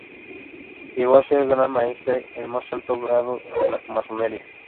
Llegó a ser Gran Maestre, el más alto grado de la masonería.